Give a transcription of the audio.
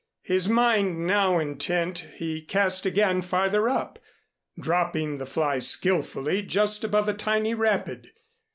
His mind now intent, he cast again farther up, dropping the fly skillfully just above a tiny rapid.